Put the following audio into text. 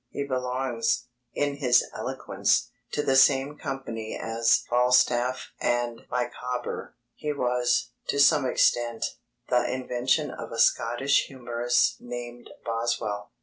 He belongs, in his eloquence, to the same company as Falstaff and Micawber. He was, to some extent, the invention of a Scottish humourist named Boswell.